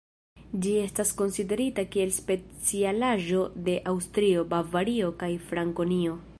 Ĝi estas konsiderita kiel specialaĵo de Aŭstrio, Bavario, kaj Frankonio.